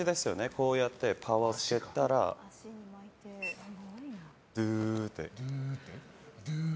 こうやってパワーをつけたらドゥー。